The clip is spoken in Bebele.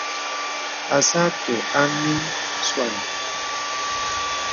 Àcā à akə̀ a miswàn.